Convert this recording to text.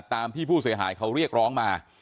ตามที่ผู้เสียหายเขาเรียกร้องมา